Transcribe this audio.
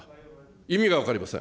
意味が分かりません。